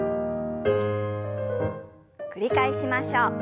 繰り返しましょう。